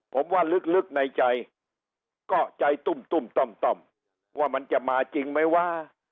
ผมว่าลึกในใจก็ใจตุ้มต่อมว่ามันจะมาจริงไหมวะ